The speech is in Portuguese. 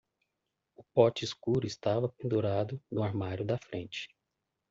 O pote escuro estava pendurado no armário da frente.